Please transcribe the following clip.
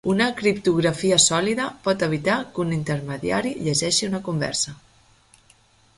Una criptografia sòlida pot evitar que un intermediari llegeixi una conversa.